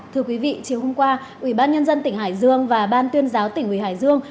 thưa quý vị chiều hôm qua ủy ban nhân dân tỉnh hải dương và ban tuyên giáo tỉnh ủy hải dương